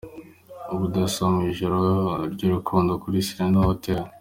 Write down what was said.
Ubudasa mu ijoro ry’urukundo kuri Serena Hotel.